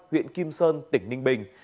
huyện kim sơn tỉnh ninh bình